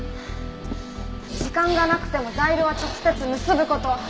時間がなくてもザイルは直接結ぶこと。